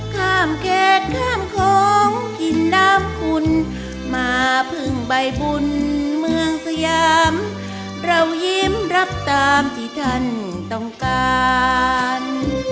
ข้ามเขตข้ามของกินน้ำคุณมาพึ่งใบบุญเมืองสยามเรายิ้มรับตามที่ท่านต้องการ